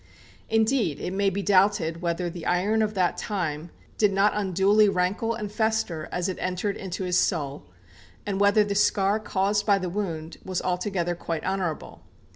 Indeed it may be doubted whether the iron of that time did not unduly rankle and fester as it entered into his soul, and whether the scar caused by the wound was altogether quite honourable.